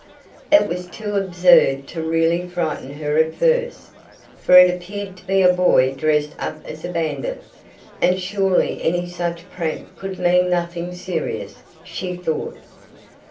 It was too absurd to really frighten her at first, for it apeared to be a boy dressed up as a bandit, and surely any such prank could mean nothing serious, she thought.